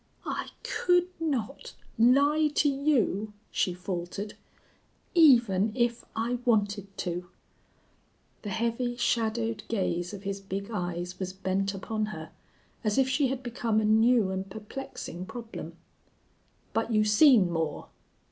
"I could not lie to you," she faltered, "even if I wanted to." The heavy, shadowed gaze of his big eyes was bent upon her as if she had become a new and perplexing problem. "But you seen Moore?"